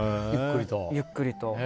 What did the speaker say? ゆっくりと。